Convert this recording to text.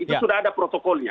itu sudah ada protokolnya